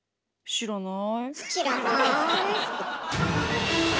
知らない。